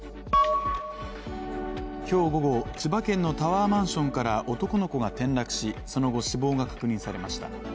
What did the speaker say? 今日午後、千葉県のタワーマンションから男の子が転落しその後、死亡が確認されました。